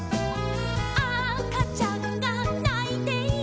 「あかちゃんがないている」